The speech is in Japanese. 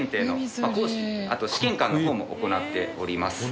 あと試験管の方も行っております。